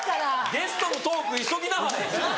ゲストのトーク「急ぎなはれ」。